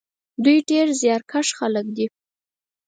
دوی ډېر زیارکښ خلک دي.